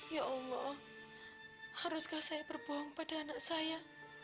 ya allah haruskah saya berbohong pada anak saya